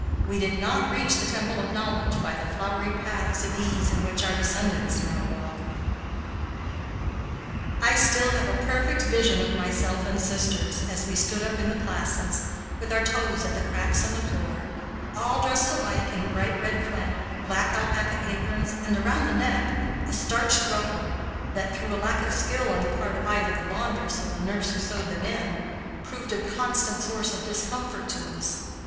We did not reach the temple of knowledge by the flowery paths of ease in which our descendants now walk. I still have a perfect vision of myself and sisters, as we stood up in the classes, with our toes at the cracks in the floor, all dressed alike in bright red flannel, black alpaca aprons, and, around the neck, a starched ruffle that, through a lack of skill on the part of either the laundress or the nurse who sewed them in, proved a constant source of discomfort to us.